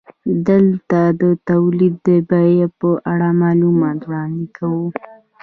دلته د تولید د بیې په اړه معلومات وړاندې کوو